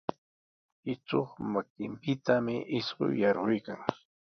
Ichuq makinpitami isquy yarquykan.